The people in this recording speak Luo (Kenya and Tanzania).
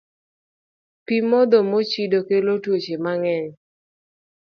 Pi modho mochido kelo tuoche mang'eny.